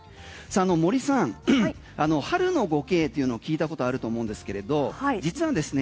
森さん、春の５Ｋというのを聞いたことあると思うんですけれど実はですね